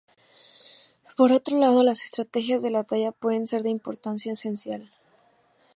Por otro lado, las estrategias de la talla pueden ser de importancia esencial.